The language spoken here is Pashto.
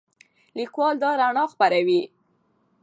لیکوال دا رڼا خپروي.